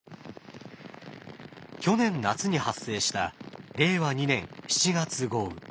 去年夏に発生した令和２年７月豪雨。